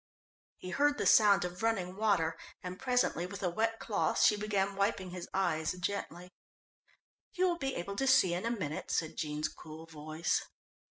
He heard the sound of running water, and presently with a wet cloth she began wiping his eyes gently. "You will be able to see in a minute," said Jean's cool voice.